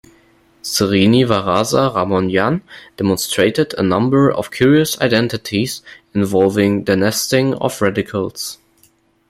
Srinivasa Ramanujan demonstrated a number of curious identities involving denesting of radicals.